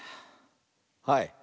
はい。